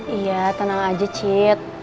iya tenang aja cit